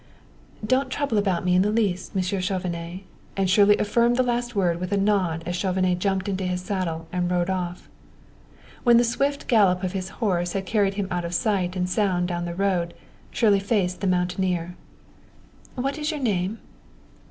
"Don't trouble about me in the least, Monsieur Chauvenet," and Shirley affirmed the last word with a nod as Chauvenet jumped into his saddle and rode off. When the swift gallop of his horse had carried him out of sight and sound down the road, Shirley faced the mountaineer. "What is your name?"